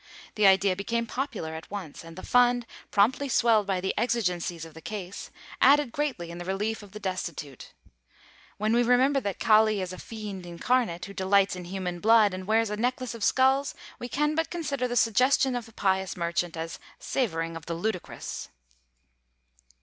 The idea became popular at once; and the fund, promptly swelled by the exigencies of the case, aided greatly in the relief of the destitute. When we remember that Kali is a fiend incarnate, who delights in human blood, and wears a necklace of skulls, we can but consider the suggestion of the pious merchant as savoring of the ludicrous.